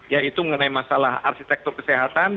yaitu mengenai masalah arsitektur kesehatan